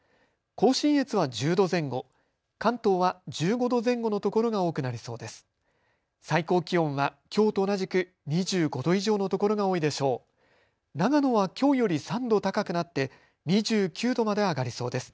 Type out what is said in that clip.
甲信越は１０度前後、関東は１５度前後のところが多くなりそうです。